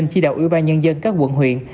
chi đạo ủy ban nhân dân các quận huyện